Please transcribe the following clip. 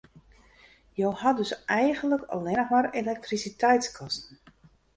Jo ha dus eigenlik allinne mar elektrisiteitskosten.